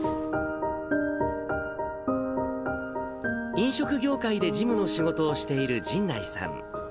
飲食業界で事務の仕事をしている神内さん。